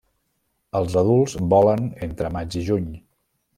Els adults volen entre maig i juny.